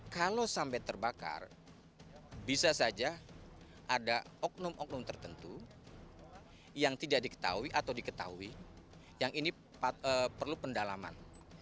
kalau sampai terbakar bisa saja ada oknum oknum tertentu yang tidak diketahui atau diketahui yang ini perlu pendalaman